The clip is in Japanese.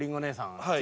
はい。